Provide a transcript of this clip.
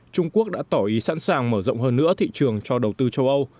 trung quốc đã tỏ ý sẵn sàng mở rộng hơn nữa thị trường cho đầu tư châu âu